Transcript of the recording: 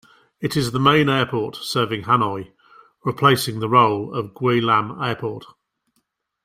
It is the main airport serving Hanoi, replacing the role of Gia Lam Airport.